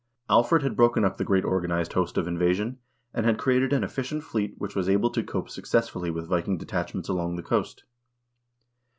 Alfred had broken up the great organized host of invasion, and had created an efficient fleet which was able to cope successfully with Viking detachments along the coast.